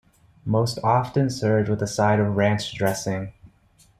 Most often served with a side of Ranch dressing.